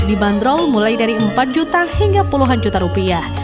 dibanderol mulai dari empat juta hingga puluhan juta rupiah